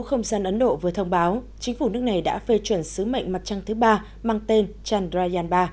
không gian ấn độ vừa thông báo chính phủ nước này đã phê chuẩn sứ mệnh mặt trăng thứ ba mang tên chandrayaan ba